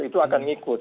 itu akan ngikut